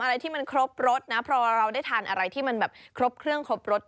อะไรที่มันครบรสนะเพราะว่าเราได้ทานอะไรที่มันแบบครบเครื่องครบรส